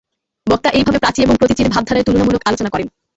বক্তা এইভাবে প্রাচী এবং প্রতীচীর ভাবধারার তুলনামূলক আলোচনা করেন।